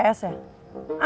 tidak ada pertanyaan